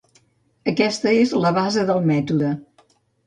Aquesta és la base del mètode.